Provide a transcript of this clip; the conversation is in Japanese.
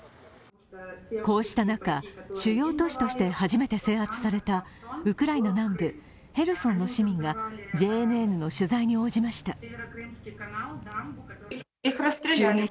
こうした中、主要都市として初めて制圧されたウクライナ南部ヘルソンの市民がＪＮＮの取材に応じました。